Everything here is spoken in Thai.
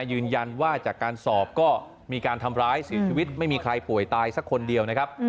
ยืนยันว่าจากการสอบก็มีการทำร้ายเสียชีวิตไม่มีใครป่วยตายสักคนเดียวนะครับ